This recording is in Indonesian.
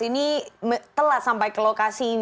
ini telat sampai ke lokasi